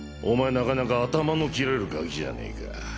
なかなか頭の切れるガキじゃねえか。